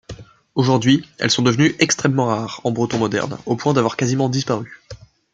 Aujourd'hui elles sont devenues extrêmement rares en breton moderne, au point d'avoir quasiment disparu.